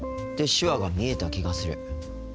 手話が見えた気がする。